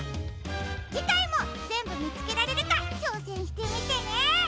じかいもぜんぶみつけられるかちょうせんしてみてね！